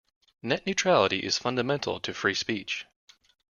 Net neutrality is fundamental to free speech.